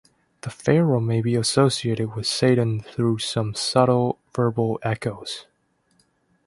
The Pharaoh may be associated with Satan through some subtle verbal echoes.